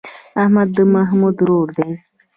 احمد د محمود ورور دی.